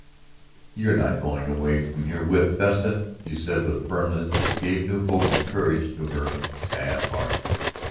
"You're not going away from here whipped, Vesta," he said with a firmness that gave new hope and courage to her sad heart.